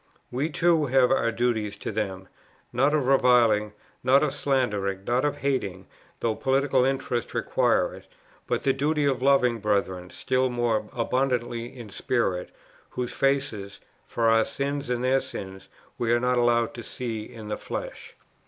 We too have our duties to them; not of reviling, not of slandering, not of hating, though political interests require it; but the duty of loving brethren still more abundantly in spirit, whose faces, for our sins and their sins, we are not allowed to see in the flesh."